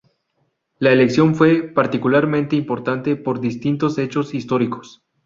La elección fue particularmente importante por distintos hechos históricos.